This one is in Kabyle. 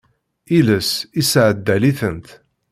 Iles isseɛdal-itent.